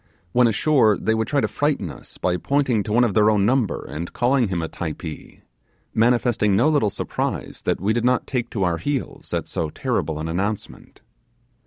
When ashore they would try to frighten us by pointing, to one of their own number, and calling him a Typee, manifesting no little surprise that we did not take to our heels at so terrible an announcement.